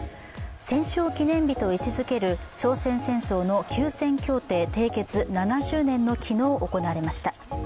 戦勝記念日と位置づける朝鮮戦争の休戦協定締結７０年の昨日、行われました。